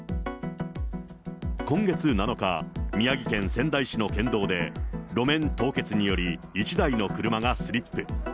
今月７日、宮城県仙台市の県道で、路面凍結により１台の車がスリップ。